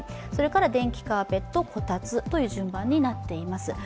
電気カーペット、こたつという順番になっています。